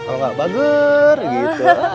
kalau nggak bager gitu